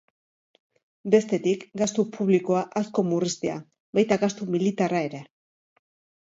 Bestetik, gastu publikoa asko murriztea, baita gastu militarra ere.